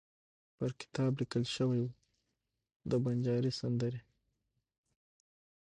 پر کتاب لیکل شوي وو: د بنجاري سندرې.